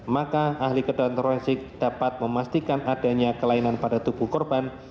maka ahli kedokteransik dapat memastikan adanya kelainan pada tubuh korban